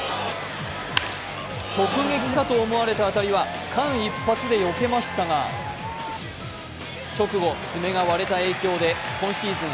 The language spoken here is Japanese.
直撃かと思われた当たりは間一髪でよけましたが直後、爪が割れた影響で今シーズン